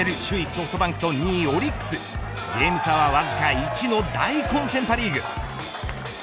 ソフトバンクと２位オリックス点差はわずか１の大混戦パ・リーグ。